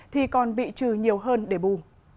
thì còn bị trừ nhiều hơn để bù